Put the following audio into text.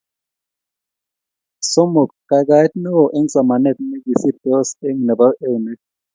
Somok, kaikaet neo eng somanet ne kisiirstos eng nebo eunek